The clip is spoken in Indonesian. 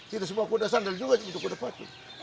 tidak semua kuda sendal juga untuk kuda pacu